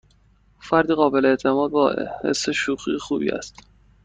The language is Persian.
او فردی قابل اعتماد با حس شوخی خوب است.